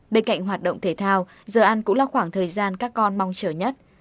bên cạnh hoạt động thể thao giờ ăn cũng là khoảng thời gian các con mong chờ nhất